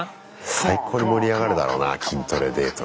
最高に盛り上がるだろうな筋トレデートなんてな。